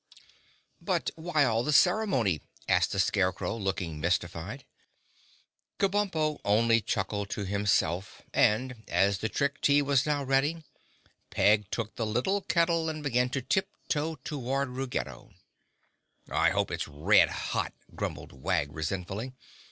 "But why all the ceremony?" asked the Scarecrow, looking mystified. Kabumpo only chuckled to himself and, as the Trick Tea was now ready, Peg took the little kettle and began to tip toe toward Ruggedo. "I hope it's red hot," grumbled Wag resentfully.